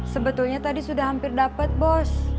sebetulnya tadi sudah hampir dapat bos